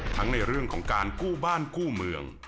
ในเรื่องของการกู้บ้านกู้เมือง